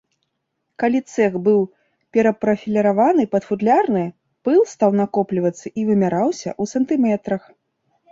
Калі цэх быў перапрафіліраваны пад футлярны, пыл стаў накоплівацца і вымяраўся ў сантыметрах.